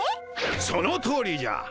そのとおりじゃ。